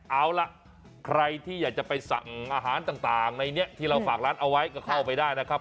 เอาล่ะใครที่อยากจะไปสั่งอาหารต่างในนี้ที่เราฝากร้านเอาไว้ก็เข้าไปได้นะครับ